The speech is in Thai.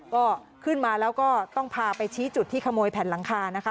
ก็ขึ้นมาแล้วก็ต้องพาไปชี้จุดที่ขโมยแผ่นหลังคานะคะ